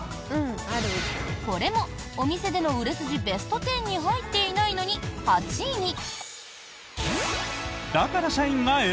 これもお店での売れ筋ベスト１０に入っていないのに、８位に。